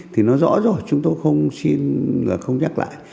thì nó rõ rồi chúng tôi không xin là không nhắc lại